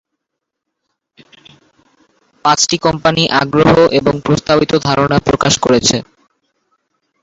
পাঁচটি কোম্পানি আগ্রহ এবং প্রস্তাবিত ধারণা প্রকাশ করেছে।